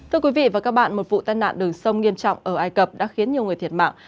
thưa quý vị và các bạn một vụ tai nạn đường sông nghiêm trọng ở ai cập đã khiến nhiều người thiệt mạng